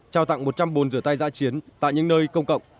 trao tặng một trăm linh bồn rửa tay dã chiến tại những nơi công cộng